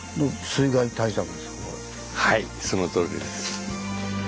はいそのとおりです。